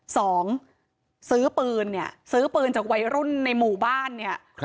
สองซื้อปืนเนี่ยซื้อปืนจากวัยรุ่นในหมู่บ้านเนี่ย